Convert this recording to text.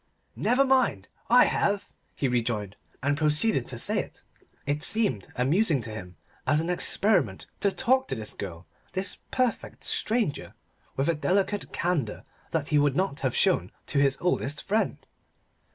"Never mind; I have," he rejoined, and proceeded to say it. It seemed amusing to him as an experiment to talk to this girl, this perfect stranger, with a delicate candour that he would not have shown to his oldest friend.